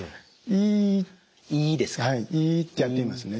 イーってやってみますね。